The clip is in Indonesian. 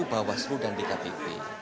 bawaslu dan dkpb